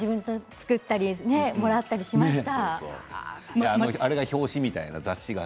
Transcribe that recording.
作ったり、もらったりしました。